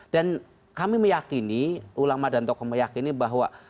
dan kami meyakini ulama dan tokoh meyakini bahwa